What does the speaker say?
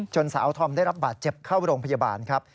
สาวธอมได้รับบาดเจ็บเข้าโรงพยาบาลครับ